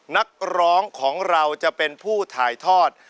นักร้องของเราจะเป็นผู้ถ่ายทอด